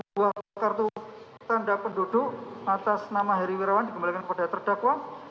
dua kartu tanda penduduk atas nama heri wirawan dikembalikan kepada terdakwa